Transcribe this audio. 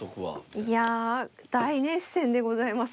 いや大熱戦でございます。